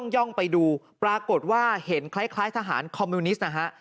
่องไปดูปรากฏว่าเห็นคล้ายทหารคอมมิวนิสต์นะฮะ